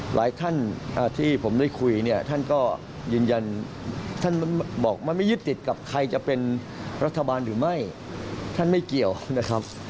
หลายท่านที่ผมได้คุยเนี่ยท่านก็ยืนยันท่านบอกมันไม่ยึดติดกับใครจะเป็นรัฐบาลหรือไม่ท่านไม่เกี่ยวนะครับ